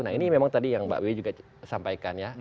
nah ini memang tadi yang mbak wiwi juga sampaikan ya